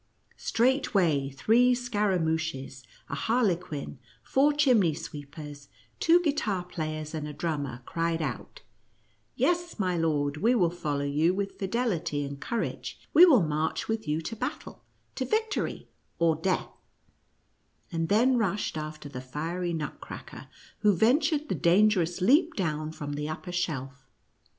Straightway three Scaramouches, a Harlequin, four Chimney sweepers, two Guitar players and a drummer cried out, " Yes, my lord, we will follow you with fidelity and courage — we will march with you to battle — to victory or death," and then rushed after the fiery Nutcrack er, who ventured the dangerous leap down from the upper shelf.